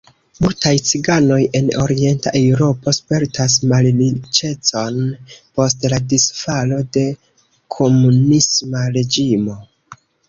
Multaj ciganoj en Orienta Eŭropo spertas malriĉecon post la disfalo de komunisma reĝimo.